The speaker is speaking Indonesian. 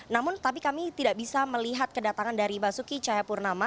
namun tapi kami tidak bisa melihat kedatangan dari basuki cahayapurnama